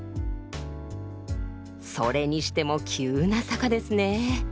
それにしても急な坂ですねえ。